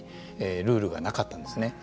ルールがなかったんですね。